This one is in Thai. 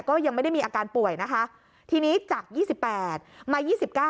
ก็ยังไม่ได้มีอาการป่วยนะคะทีนี้จาก๒๘มา๒๙